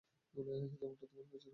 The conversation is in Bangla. যেমনটা তোমরা পেয়েছিলে।